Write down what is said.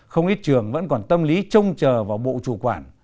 không ít trường vẫn còn tâm lý trông chờ vào bộ chủ quản